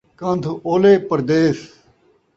کن٘دھ اولے پردیس